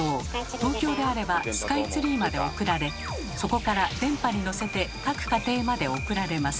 東京であればスカイツリーまで送られそこから電波に乗せて各家庭まで送られます。